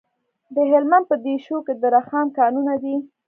د هلمند په دیشو کې د رخام کانونه دي.